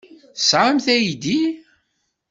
Tesɛamt aydi?